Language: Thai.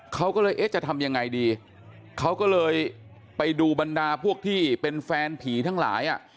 เขาก็เลยเอ๊ะจะทำยังไงดีเขาก็เลยไปดูบรรดาพวกที่เป็นแฟนผีทั้งหลายอ่ะ